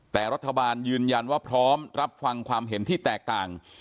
แต่รัฐบาลยืนยันว่าพร้อมรับฟังความเห็นที่แตกต่าง